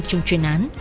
trong chuyên án